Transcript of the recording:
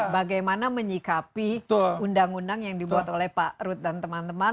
bagaimana menyikapi undang undang yang dibuat oleh pak rud dan teman teman